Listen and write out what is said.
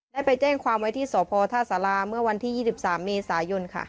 ได้ไปแจ้งความไว้ที่สพท่าสาราเมื่อวันที่๒๓เมษายนค่ะ